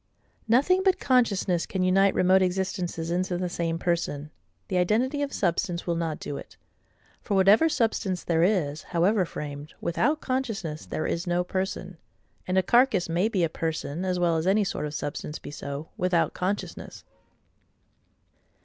Nothing but consciousness can unite remote existences into the same person: the identity of substance will not do it; for whatever substance there is, however framed, without consciousness there is no person: and a carcass may be a person, as well as any sort of substance be so, without consciousness.